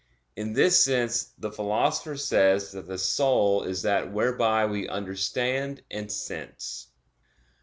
In this sense the Philosopher says that "the soul is that whereby we understand and sense."